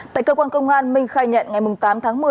tại cơ quan công an minh khai nhận ngày tám tháng một mươi